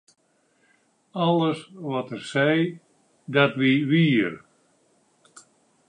Alles wat er sei, dat wie wier.